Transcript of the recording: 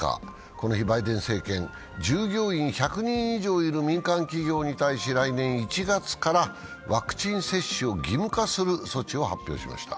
この日、バイデン政権、従業員１００人以上いる民間企業に対し、来年１月からワクチン接種を義務化する措置を発表しました。